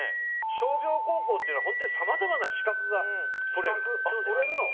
商業高校っていうのは本当にさまざまな資格が取れるんです。